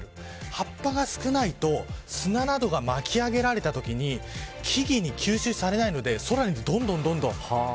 葉っぱが少ないと砂などが巻き上げられたときに木々に吸収されないので空にどんどん。